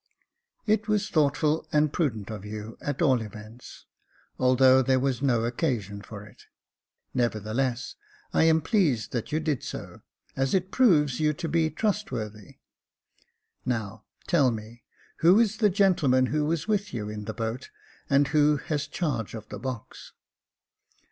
" It was thoughtful and prudent of you, at all events, although there was no occasion for it. Nevertheless I am pleased that you did so, as it proves you to be trust worthy. Now, tell me, who is the gentleman who was with you in the boat, and who has charge of the box